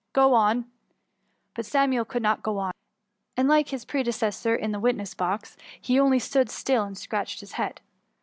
Gro on." But Samuel could not go mi ; and, like his predecessor in the witnesa box, he only stood still and scratched his head.